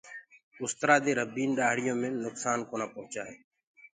اُسترآ دي ربيٚن ڏآڙهيو مي نُڪسآن ڪونآ پوهچآئي۔